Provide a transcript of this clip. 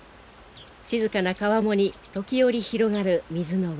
静かな川面に時折広がる水の輪。